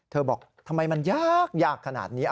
เธอบอกทำไมมันยากขนาดนี้